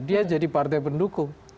dia jadi partai pendukung